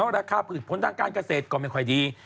ราคาผลต้านการเกษตรก็ไม่ค่อยดี